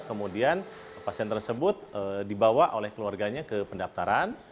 kemudian pasien tersebut dibawa oleh keluarganya ke pendaftaran